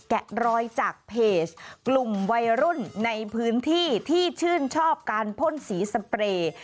แกะรอยจากเพจกลุ่มวัยรุ่นในพื้นที่ที่ชื่นชอบการพ่นสีสเปรย์